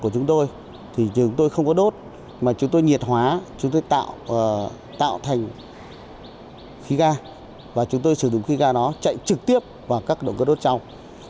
chúng tôi không có đốt mà chúng tôi nhiệt hóa chúng tôi tạo thành khí ga và chúng tôi sử dụng khí ga nó chạy trực tiếp vào các động cơ đốt trong